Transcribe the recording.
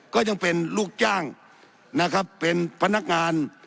ก็ยังเป็นลูกจ้างนะครับเป็นพนักงาน